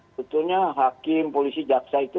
sebetulnya hakim polisi jaksa itu